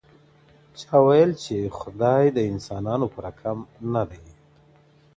چا ویل چي خدای د انسانانو په رکم نه دی.